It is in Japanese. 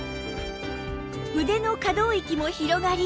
腕の可動域も広がり